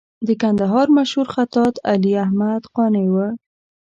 د کندهار مشهور خطاط علي احمد قانع و.